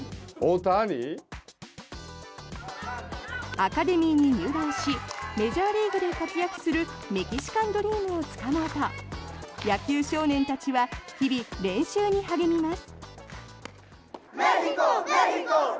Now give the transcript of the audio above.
アカデミーに入団しメジャーリーグで活躍するメキシカンドリームをつかもうと野球少年たちは日々、練習に励みます。